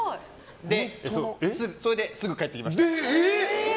それですぐ帰ってきました。